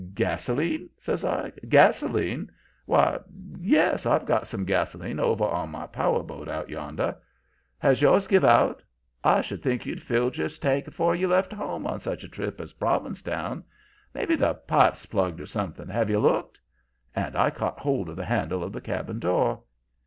'Gasoline?' says I. 'Gasoline? Why, yes; I've got some gasoline over on my power boat out yonder. Has yours give out? I should think you'd filled your tank 'fore you left home on such a trip as Provincetown. Maybe the pipe's plugged or something. Have you looked?' And I caught hold of the handle of the cabin door.